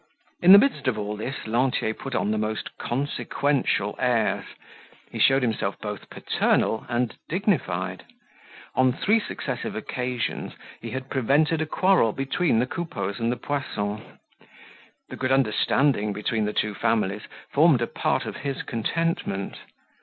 In the midst of all this Lantier put on the most consequential airs. He showed himself both paternal and dignified. On three successive occasions he had prevented a quarrel between the Coupeaus and the Poissons. The good understanding between the two families formed a part of his contentment.